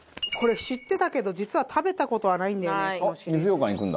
これ知ってたけど実は食べた事はないんだよね。